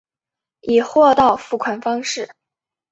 以货到付款方式